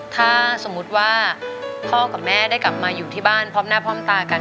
ถ้าสมมุติว่าพ่อกับแม่ได้กลับมาอยู่ที่บ้านพร้อมหน้าพร้อมตากัน